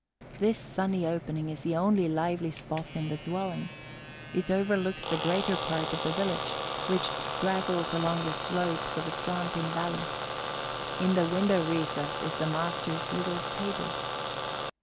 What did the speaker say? This sunny opening is the only lively spot in the dwelling; it overlooks the greater part of the village, which straggles along the slopes of a slanting valley. In the window recess is the master's little table.